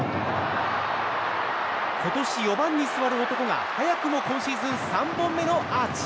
今年４番に座る男が、早くも今シーズン３本目のアーチ。